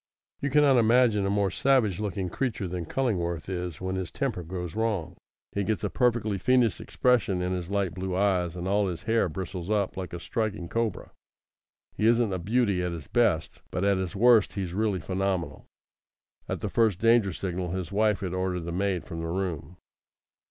You cannot imagine a more savage looking creature than Cullingworth is when his temper goes wrong. He gets a perfectly fiendish expression in his light blue eyes, and all his hair bristles up like a striking cobra. He isn't a beauty at his best, but at his worst he's really phenomenal. At the first danger signal his wife had ordered the maid from the room.